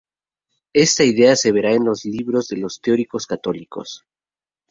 Esta idea se verá en los libros de los teóricos católicos.